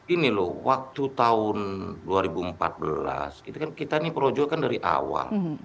ini loh waktu tahun dua ribu empat belas kita ini projokan dari awal